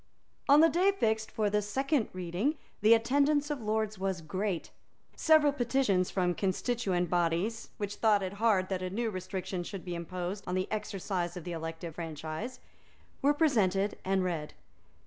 On the day fixed for the second reading the attendance of lords was great. Several petitions from constituent bodies, which thought it hard that a new restriction should be imposed on the exercise of the elective franchise, were presented and read.